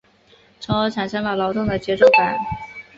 从而产生了劳动的节奏感。